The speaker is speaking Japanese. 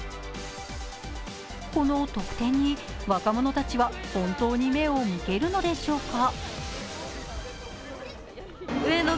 この特典に、若者たちは本当に目を向けるのでしょうか。